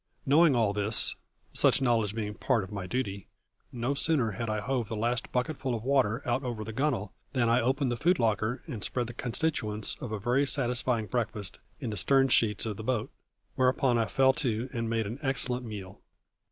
Knowing all this such knowledge being a part of my duty no sooner had I hove the last bucketful of water out over the gunwale than I opened the food locker and spread the constituents of a very satisfying breakfast in the stern sheets of the boat; whereupon I fell to and made an excellent meal.